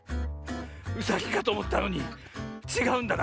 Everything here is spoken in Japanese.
うさぎかとおもったのにちがうんだな。